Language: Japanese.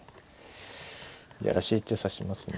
嫌らしい手指しますね。